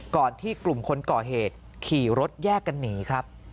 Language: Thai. ก่อนที่กลุ่มคนก่อเหตุขี่รถแยกกันหนีครับ